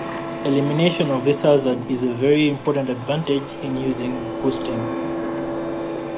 Elimination of this hazard is a very important advantage in using boosting.